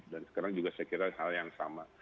dan sekarang juga saya kira hal yang sama